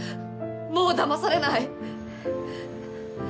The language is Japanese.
もうだまされない。